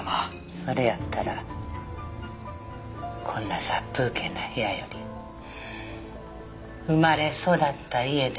それやったらこんな殺風景な部屋より生まれ育った家で終わりたい。